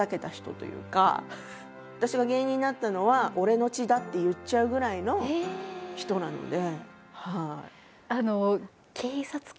私が芸人になったのは俺の血だって言っちゃうぐらいの人なので。